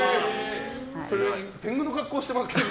天狗の格好してますけど。